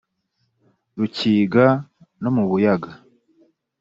rukiga no mu buyaga